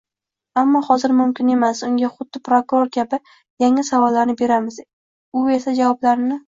Ammo hozir mumkin emas, unga xuddi prokuror kabi yangi savollarni beramiz, u esa javoblarni